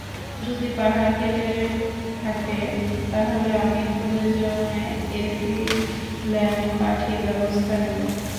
যদি পাহাড় কেটে থাকে, তাহলে আমি প্রয়োজনে এসি ল্যান্ড পাঠিয়ে ব্যবস্থা নেব।